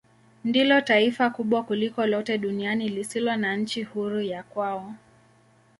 Ndilo taifa kubwa kuliko lote duniani lisilo na nchi huru ya kwao.